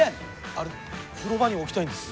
あれ風呂場に置きたいんです。